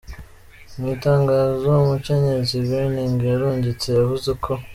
Mw'itangazo umukenyezi Greening yarungitse yavuze ko ".